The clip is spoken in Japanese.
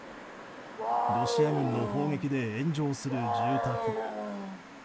ロシア軍の砲撃で炎上する住宅。